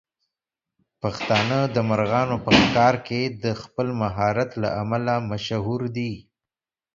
پښتانه د مرغانو په ښکار کې د خپل مهارت له امله مشهور دي.